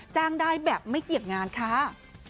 จ้างได้แบบไม่เกียรติงานค่ะ